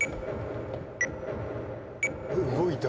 動いた。